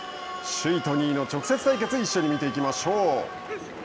首位と２位の直接対決を一緒に見ていきましょう。